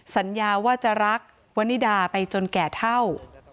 สัญญาว่าจะรักวันนิดาไปจนแก่เท่า